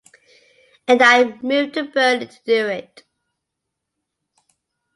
And I moved to Berlin to do it.